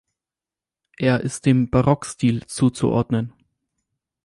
Er ist dem Barockstil zuzuordnen.